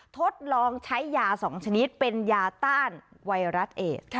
ทดลองใช้ยา๒ชนิดเป็นยาต้านไวรัสเอด